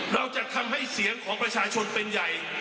เราจะทำให้เสียงของประชาชนเป็นใหญ่